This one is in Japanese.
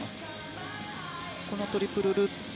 このトリプルルッツ